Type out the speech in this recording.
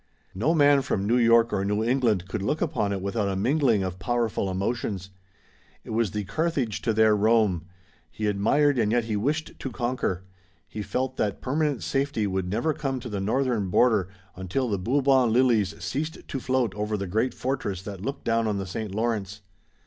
No man from New York or New England could look upon it without a mingling of powerful emotions. It was the Carthage to their Rome. He admired and yet he wished to conquer. He felt that permanent safety could never come to the northern border until the Bourbon lilies ceased to float over the great fortress that looked down on the St. Lawrence.